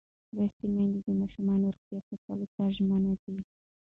لوستې میندې د ماشوم روغتیا ساتلو ته ژمنه ده.